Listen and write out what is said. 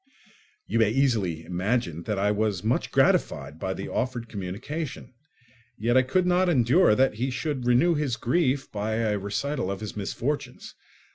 You may easily imagine that I was much gratified by the offered communication, yet I could not endure that he should renew his grief by a recital of his misfortunes.